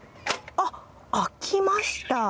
あ、開きました。